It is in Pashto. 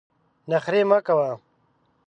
نخرې مه کوه !